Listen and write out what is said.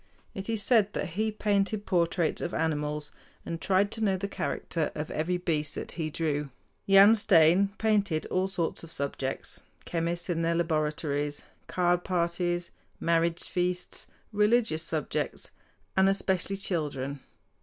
It is said that he painted portraits of animals, and tried to know the character of every beast that he drew. Jan Steen painted all sorts of subjects, chemists in their laboratories, card parties, marriage feasts, religious subjects, and especially children.